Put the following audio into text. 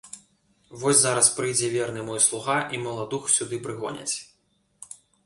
Вось зараз прыйдзе верны мой слуга, і маладух сюды прыгоняць.